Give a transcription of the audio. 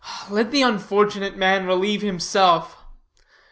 "Let the unfortunate man relieve himself.